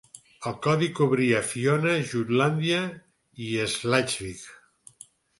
El codi cobria Fiònia, Jutlàndia i Schleswig.